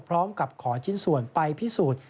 พร้อมกับขอชิ้นส่วนไปพิสูจน์